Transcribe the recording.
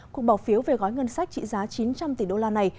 cuộc bỏ phiếu về gói ngân sách trị giá chín trăm linh tỷ đô la này